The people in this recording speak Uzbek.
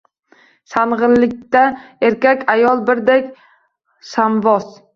Shangʼilikda erkak-xotin birdek shavvoz.